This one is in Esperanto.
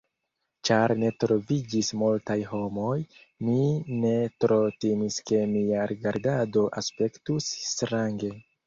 Ĉar ne troviĝis multaj homoj, mi ne tro timis ke mia rigardado aspektus strange.